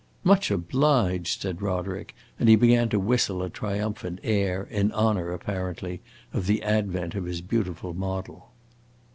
"Much obliged!" said Roderick, and he began to whistle a triumphant air, in honor, apparently, of the advent of his beautiful model.